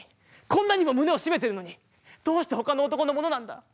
こんなにも胸を締めているのにどうして他の男のものなんだ。